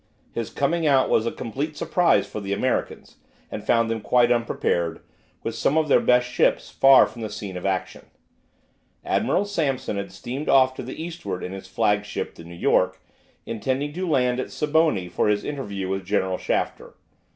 His coming out was a complete surprise for the Americans, and found them quite unprepared, with some of their best ships far from the scene of action. Admiral Sampson had steamed off to the eastward in his flagship, the "New York," intending to land at Siboney for his interview with General Shafter.